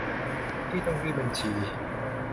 ที่ต้องยื่นบัญชี